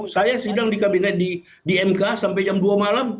saya sidang di kabinet di mk sampai jam dua malam